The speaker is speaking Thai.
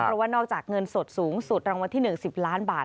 เพราะว่านอกจากเงินสดสูงสุดรางวัลที่๑๐ล้านบาท